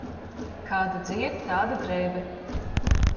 Kāda dzija, tāda drēbe.